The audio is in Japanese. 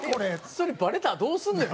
それバレたらどうすんねん？